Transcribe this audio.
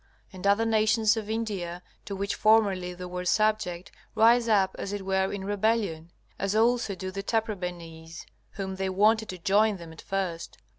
And other nations of India, to which formerly they were subject, rise up as it were in rebellion, as also do the Taprobanese, whom they wanted to join them at first.